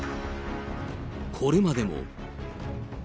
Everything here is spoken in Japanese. これまでも。